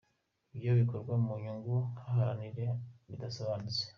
Ibyo bigakorwa mu nyungu baharanira zidasobanutse.